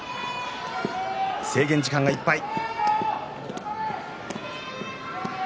制限時間いっぱい。